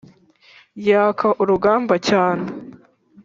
yaka urugamba cyane;